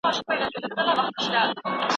د ساینس په ډګر کي ګډې څيړني ډېرې دي.